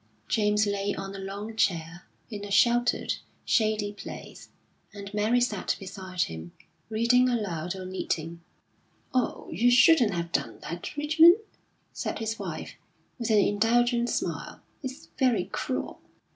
James lay on a long chair, in a sheltered, shady place, and Mary sat beside him, reading aloud or knitting. "Oh, you shouldn't have done that, Richmond," said his wife, with an indulgent smile, "it's very cruel."